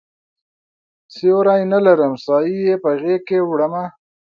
سیوری نه لرم سایې په غیږکې وړمه